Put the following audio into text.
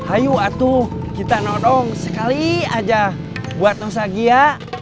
ayo atuh kita nodong sekali aja buat nusagia